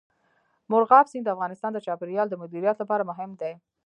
مورغاب سیند د افغانستان د چاپیریال د مدیریت لپاره مهم دي.